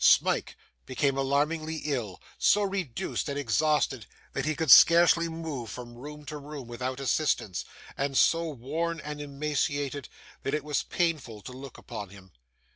Smike became alarmingly ill; so reduced and exhausted that he could scarcely move from room to room without assistance; and so worn and emaciated, that it was painful to look upon him.